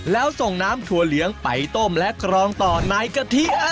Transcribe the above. แล้วส่งน้ำถั่วเหลืองไปต้มและกรองต่อในกะทิ